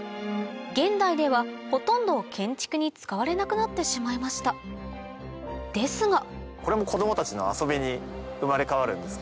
現代ではほとんど建築に使われなくなってしまいましたですがこれがですね